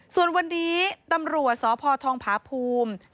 ส่วนวันนี้ตำรวจสพทองผาภูมิ